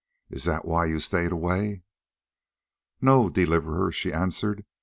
Is that why you stayed away?" "No, Deliverer," she answered.